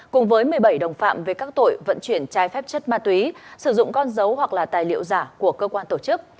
cùng với một mươi bảy đồng phạm về các tội vận chuyển trái phép chất ma túy sử dụng con dấu hoặc là tài liệu giả của cơ quan tổ chức